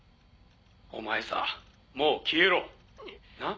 お前さぁもう消えろ。なぁ？